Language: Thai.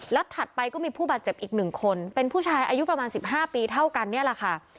แล้วถัดไปก็มีผู้บาดเจ็บอีก๑คนเป็นผู้ชายอายุประมาณ๑๕ปีเท่ากันเนี่ยแหละค่ะ